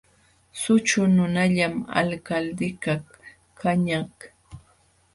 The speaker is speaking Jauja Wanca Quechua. Sućhu nunallam Alcaldekaq kañaq.